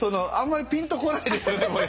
あんまりぴんとこないですよね。